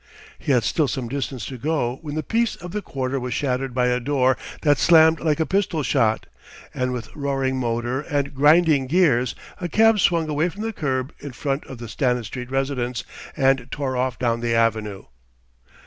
He had still some distance to go when the peace of the quarter was shattered by a door that slammed like a pistol shot, and with roaring motor and grinding gears a cab swung away from the curb in front of the Stanistreet residence and tore off down the Avenue.